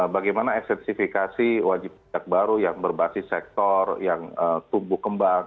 bagaimana ekstensifikasi wajib pajak baru yang berbasis sektor yang tumbuh kembang